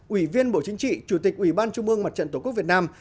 ủy viên bộ chính trị chủ tịch ủy ban trung mương mặt trận tổ quốc việt nam